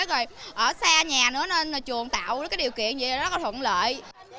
rồi ở xa nhà nữa nên trường tạo điều kiện như vậy là rất là thuận lợi